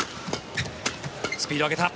スピードを上げた。